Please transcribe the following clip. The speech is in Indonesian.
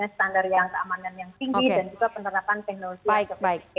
standar yang keamanan yang tinggi dan juga penerapan teknologi